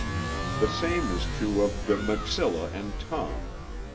The same is true of the maxillæ and tongue.